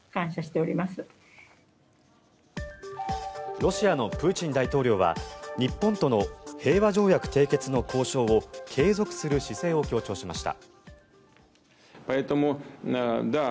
ロシアのプーチン大統領は日本との平和条約締結の交渉を継続する姿勢を強調しました。